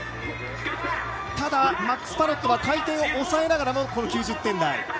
ただ、マックス・パロットは回転を抑えながらの９０点台。